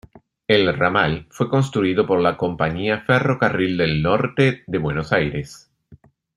El ramal fue construido por la compañía Ferrocarril del Norte de Buenos Aires.